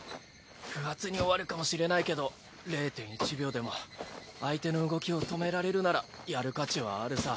不発に終わるかもしれないけど０．１秒でも相手の動きを止められるならやる価値はあるさ。